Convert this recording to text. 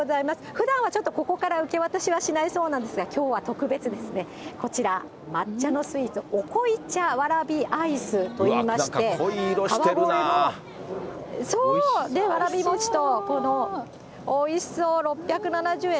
ふだんはちょっとここから受け渡しはしないそうなんですが、きょうは特別ですね、こちら、抹茶のスイーツ、お濃茶わらびアイスといいまして、川越のわらびもちとおいしそう、６７０円。